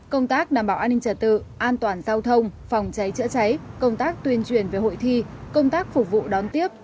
công tác đảm bảo an ninh trật tự an toàn giao thông phòng cháy chữa cháy công tác tuyên truyền về hội thi công tác phục vụ đón tiếp